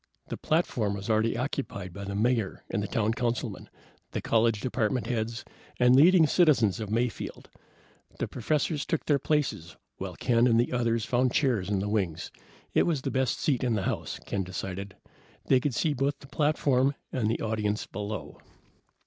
The platform was already occupied by the Mayor and the town councilmen, the college department heads, and leading citizens of Mayfield. The professors took their places, while Ken and the others found chairs in the wings. It was the best seat in the house, Ken decided. They could see both the platform and the audience below.